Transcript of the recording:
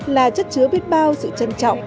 là chất chứa biết bao sự trân trọng